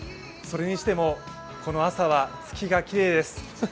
それにしてもこの朝は月がきれいです。